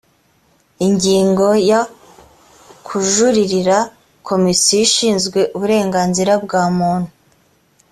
ingingo ya kujuririra komisiyo ishinzwe uburenganzira bwa muntu